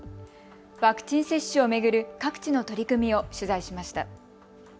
ワクチン接種を巡る各地の取り組みを取材しました。